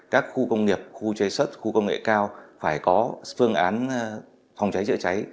các khu công nghiệp khu chế xuất khu công nghệ cao phải có phương án phòng cháy chữa cháy